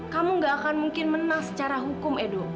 kamu gak akan mungkin menang secara hukum edo